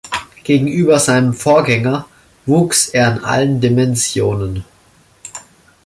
Gegenüber seinem Vorgänger wuchs er in allen Dimensionen.